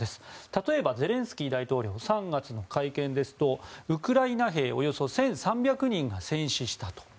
例えばゼレンスキー大統領３月の会見ですとウクライナ兵およそ１３００人が戦死したと。